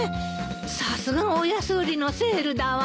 さすが大安売りのセールだわ。